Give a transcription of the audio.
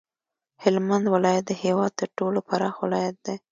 هلمند ولایت د هیواد تر ټولو پراخ ولایت دی